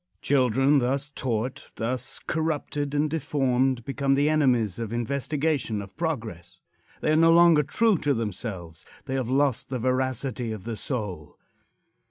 Children thus taught thus corrupted and deformed become the enemies of investigation of progress. They are no longer true to themselves. They have lost the veracity of the soul.